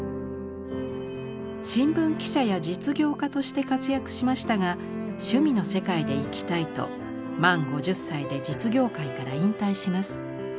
新聞記者や実業家として活躍しましたが趣味の世界で生きたいと満５０歳で実業界から引退します。